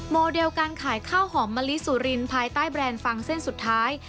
โมเดลการขายข้าวหอมมะลิสุรินภายใต้แบรนด์ฟังเส้นสุดท้าย